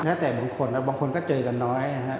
แล้วแต่บางคนบางคนก็เจอกันน้อยนะครับ